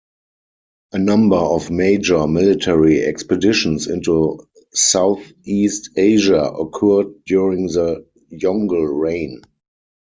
A number of major military expeditions into Southeast Asia occurred during the Yongle reign.